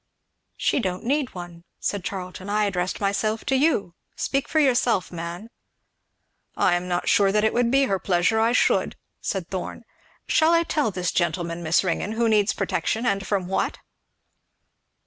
"She don't need one," said Charlton, "I addressed myself to you speak for yourself, man." "I am not sure that it would be her pleasure I should," said Thorn. "Shall I tell this gentleman, Miss Ringgan, who needs protection, and from what?